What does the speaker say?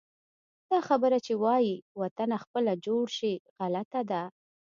دا خبره چې وایي: وطنه خپله جوړ شي، غلطه ده.